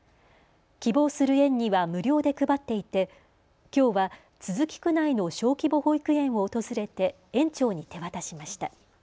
希望する園には無料で配っていてきょうは都筑区内の小規模保育園を訪れて園長に手渡しました。